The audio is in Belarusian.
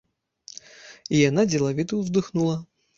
І яна дзелавіта ўздыхнула.